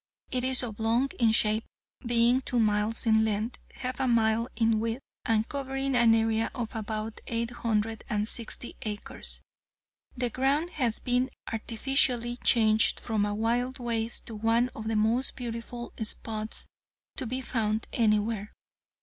It is oblong in shape, being two miles in length, half a mile in width and covering an area of about eight hundred and sixty acres. The ground has been artificially changed from a wild waste to one of the most beautiful spots to be found anywhere.